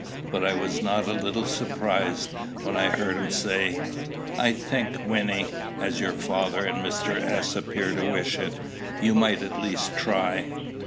But I was not a little surprised, when I heard him say, "I think, Wynnie, as your father and Mr. S. appear to wish it, you might at least try."